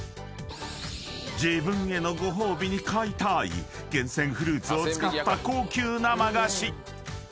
［自分へのご褒美に買いたい厳選フルーツを使った高級生菓子］